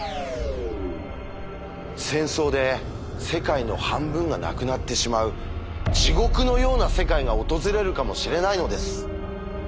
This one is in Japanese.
戦争で世界の半分がなくなってしまう地獄のような世界が訪れるかもしれないのです。